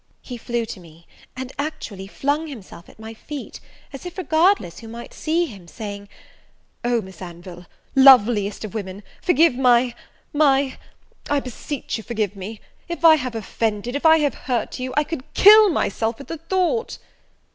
He flew to me, and actually flung himself at my feet, as if regardless who might see him, saying, "O, Miss Anville, loveliest of women, forgive my, my, I beseech you forgive me; if I have offended if I have hurt you I could kill myself at the thought!